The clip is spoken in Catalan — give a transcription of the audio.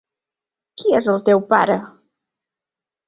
Qui és el teu pare?